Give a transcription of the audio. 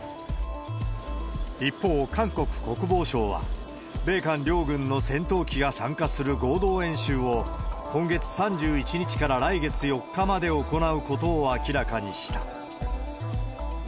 一方、韓国国防省は、米韓両軍の戦闘機が参加する合同演習を、今月３１日から来月４日まで行うことを明らかにした。